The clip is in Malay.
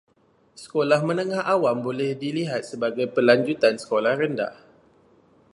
Sekolah menengah awam boleh dilihat sebagai pelanjutan sekolah rendah.